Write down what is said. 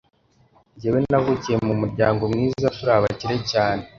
njyewe navukiye mu muryango mwiza turi abakire cyane